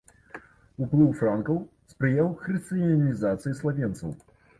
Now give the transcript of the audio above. Уплыў франкаў спрыяў хрысціянізацыі славенцаў.